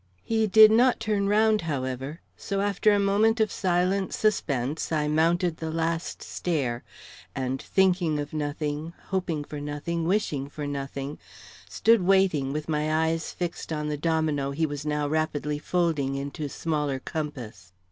He did not turn round, however; so, after a moment of silent suspense, I mounted the last stair, and thinking of nothing, hoping for nothing, wishing for nothing, stood waiting, with my eyes fixed on the domino he was now rapidly folding into smaller compass.